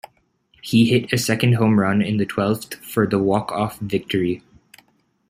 He hit a second home run in the twelfth for the walk-off victory.